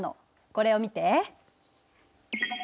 これを見て。